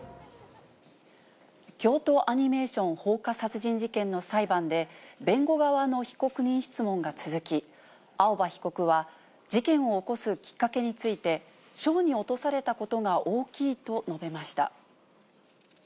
京都アニメーション放火殺人事件の裁判で、弁護側の被告人質問が続き、青葉被告は事件を起こすきっかけについて、賞に落とされたことが大きいと述べました。